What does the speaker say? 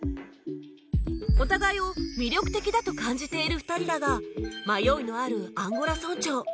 お互いを魅力的だと感じている２人だが迷いのあるアンゴラ村長